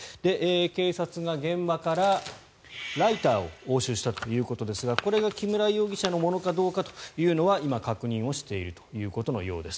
警察が現場からライターを押収したということですがこれが木村容疑者のものかどうかというのは今、確認をしているということのようです。